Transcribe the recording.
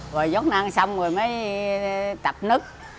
rồi giót nang xong rồi mới tập nứt